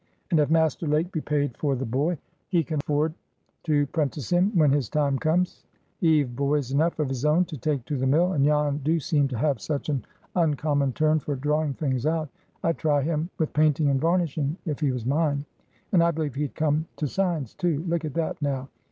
And, if Master Lake be paid for the boy, he can 'fford to 'prentice him when his time comes. He've boys enough of his own to take to the mill, and Jan do seem to have such an uncommon turn for drawing things out, I'd try him with painting and varnishing, if he was mine. And I believe he'd come to signs, too! Look at that, now!